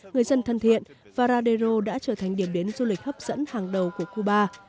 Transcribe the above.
người dân thân thiện varadero đã trở thành điểm đến du lịch hấp dẫn hàng đầu của cuba